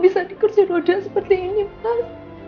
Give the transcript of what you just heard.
bisa dikerja seperti ini pak